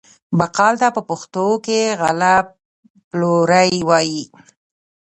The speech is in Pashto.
بقال ته په پښتو کې غله پلوری وايي.